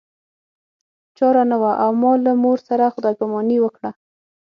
چاره نه وه او ما له مور سره خدای پاماني وکړه